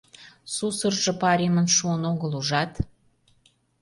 Сусыржо паремын шуын огыл, ужат?